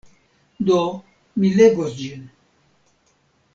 Do mi legos ĝin.